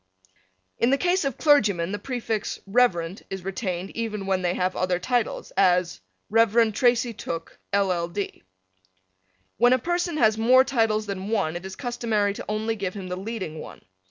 In the case of clergymen the prefix Rev. is retained even when they have other titles; as Rev. Tracy Tooke, LL. D. When a person has more titles than one it is customary to only give him the leading one.